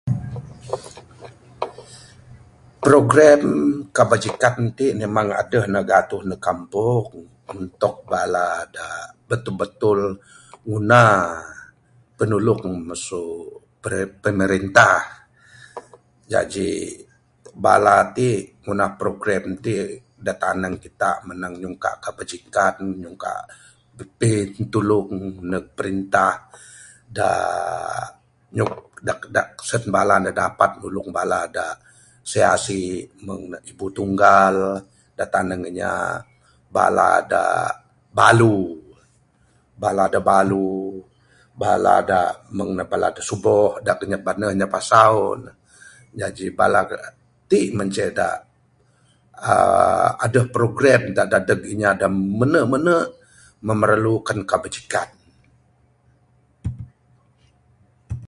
program kebajikan ti memang adeh ne gatuh neg kampung untuk bala da batul batul nguna pinulung masu pemerintah jaji bala ti ngunah program ti da tanang kita manang nyungka kebajikan nyungka pintulung neg perintah da...da...sen bala ne dapat nulung bala da asi asi meng ibu tunggal da tanang inya bala da balu...bala da balu...bala da meng bala da suboh da anyap baneh anyap asau...jaji bala da...ti mah ceh da aaa adeh program da dadeg inya da mene mene memerlukan kebajikan.